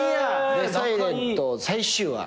で『ｓｉｌｅｎｔ』最終話。